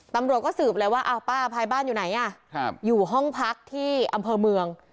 ตำรวจก็สืบเลยว่าอ้าวป้าอภัยบ้านอยู่ไหนอยู่ห้องพักที่อำเภอเมือง